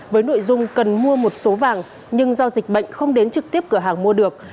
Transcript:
với nội dung cần mua một số vàng nhưng do dịch bệnh không đến trực tiếp cửa hàng mua được